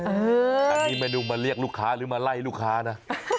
อันนี้ไม่รู้มาเรียกลูกค้าหรือมาไล่ลูกค้านะ